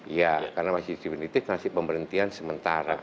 iya karena masih definitif masih pemberhentian sementara